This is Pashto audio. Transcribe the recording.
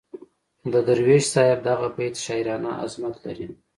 د درویش صاحب دغه بیت شاعرانه عظمت لري.